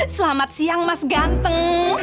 selamat siang mas ganteng